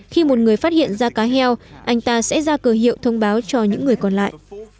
khi một người phát hiện ra cá heo anh ta sẽ ra cờ hiệu thông báo cho những người còn lại